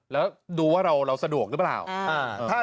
แล้วดูว่าเราสะดวกหรือเปล่า